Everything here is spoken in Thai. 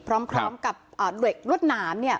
พร้อมกับเหล็กรวดหนามเนี่ย